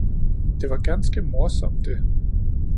Det var ganske morsomt det!